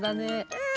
うん！